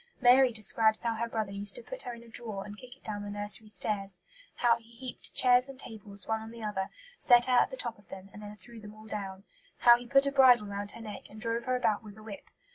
Mary describes how her brother used to put her in a drawer and kick it down the nursery stairs; how he heaped chairs and tables one on the other, set her at the top of them, and then threw them all down; how he put a bridle round her neck and drove her about with a whip.